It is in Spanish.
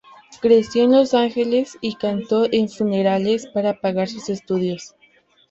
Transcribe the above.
Creció en Los Ángeles y cantó en funerales para pagar sus estudios.